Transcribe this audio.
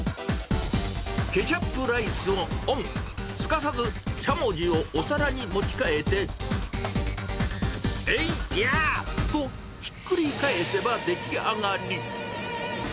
ケチャップライスをオン、すかさずしゃもじをお皿に持ち替えて、えいやーと、ひっくり返せば出来上がり。